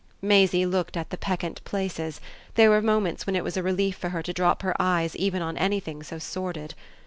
Maisie looked at the peccant places; there were moments when it was a relief to her to drop her eyes even on anything so sordid.